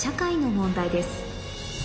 問題です